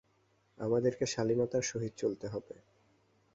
আমাদেরকে শালীনতার সহিত চলতে হবে।